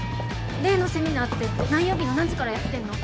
例のセミナーって何曜日の何時からやってんの？